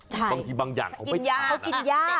บางทีบางอย่างเขาไม่ทาน